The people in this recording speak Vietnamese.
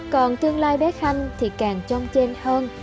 còn tương lai bé khanh thì càng trông chên hơn